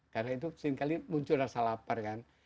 karena itu sering kali muncul rasa lapar kan